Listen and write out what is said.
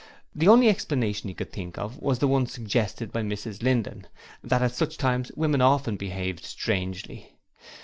The only explanation he could think of was the one suggested by Mrs Linden that at such times women often behaved strangely.